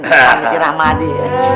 sama si rahmadi